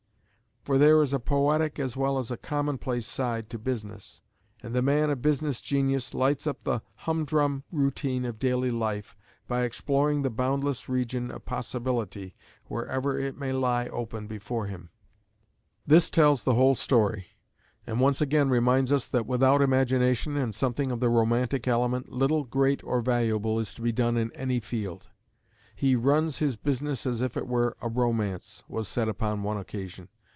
_For there is a poetic as well as a commonplace side to business; and the man of business genius lights up the humdrum routine of daily life by exploring the boundless region of possibility wherever it may lie open before him._ This tells the whole story, and once again reminds us that without imagination and something of the romantic element, little great or valuable is to be done in any field. He "runs his business as if it were a romance," was said upon one occasion.